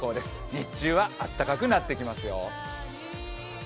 日中は暖かくなってきますよ。